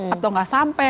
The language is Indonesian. atau gak sampai